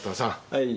はい。